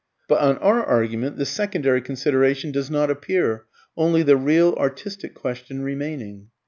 But, on our argument, this secondary consideration does not appear, only the real, artistic question remaining.